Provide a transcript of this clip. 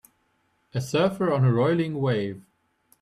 A surfer on a roiling wave.